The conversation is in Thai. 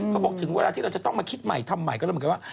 เขาบอกถึงเวลาที่เราจะต้องมาคิดใหม่ทำใหม่ก็แล้วเรามีไว้ว่า